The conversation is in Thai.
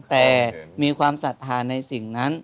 แต่มีความศรัทธาในสิ่งนั้น